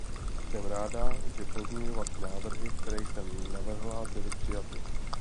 Jsem ráda, že pozměňovací návrhy, které jsem navrhla, byly přijaty.